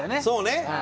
そうね。